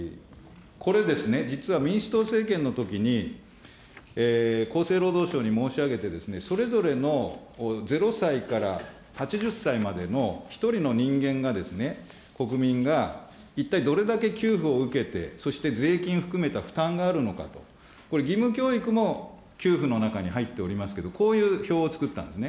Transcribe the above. これですね、実は民主党政権のときに、厚生労働省に申し上げてですね、それぞれの０歳から８０歳までの１人の人間が、国民が、一体どれだけ給付を受けて、そして税金を含めた負担があるのかと、これ、義務教育も給付の中に入っておりますけど、こういう表を作ったんですね。